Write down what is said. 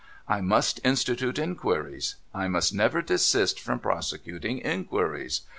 I must institute inquiries. I must never desist from prosecuting inquiries.